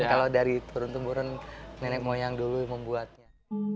kalau dari turun temurun nenek moyang dulu membuatnya